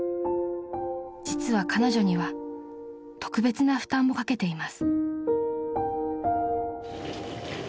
［実は彼女には特別な負担もかけています］